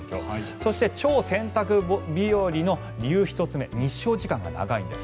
そして、超洗濯日和の理由１つ目日照時間が長いんです。